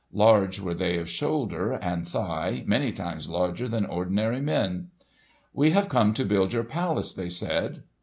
Large were they of shoulder and thigh, many times larger than ordinary men. "We have come to build your palace," they said.